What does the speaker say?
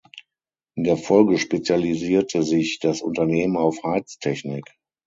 In der Folge spezialisierte sich das Unternehmen auf Heiztechnik.